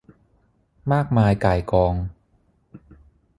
มากมายก่ายกอง